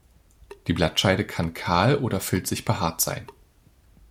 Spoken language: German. Die Blattscheide kann kahl oder filzig behaart sein.